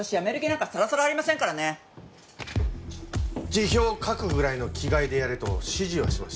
辞表を書くぐらいの気概でやれと指示はしましたが。